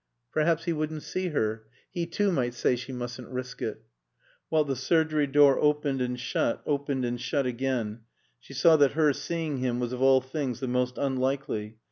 Perhaps he wouldn't see her. He, too, might say she mustn't risk it. While the surgery door opened and shut, opened and shut again, she saw that her seems him was of all things the most unlikely.